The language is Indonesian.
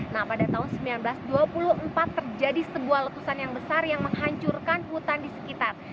nah pada tahun seribu sembilan ratus dua puluh empat terjadi sebuah letusan yang besar yang menghancurkan hutan di sekitar